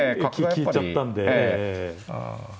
利いちゃったんで。